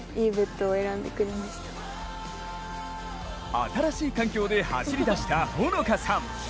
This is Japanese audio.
新しい環境で走り出したほのかさん。